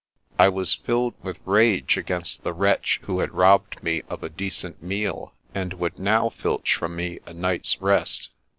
I was filled with rage against the wretch who had robbed me of a decent meal, and would now filch from me a night's rest.